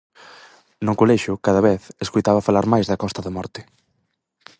No colexio, cada vez, escoitaba falar máis da Costa da Morte.